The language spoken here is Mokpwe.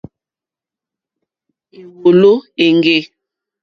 Èwòló éŋɡê.